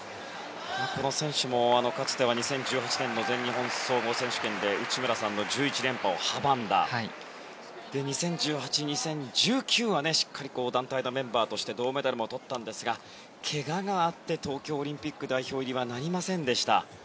この選手もかつては２０１８年の全日本総合選手権で内村さんの１１連覇を阻み２０１８年、２０１９年はしっかり団体メンバーとして銅メダルもとったんですがけががあって東京オリンピック代表入りはなりませんでした。